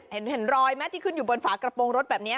เห็นรอยไหมที่ขึ้นอยู่บนฝากระโปรงรถแบบนี้